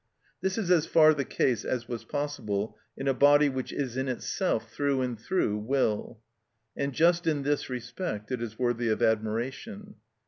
This is as far the case as was possible in a body which is in itself through and through will; and just in this respect it is worthy of admiration.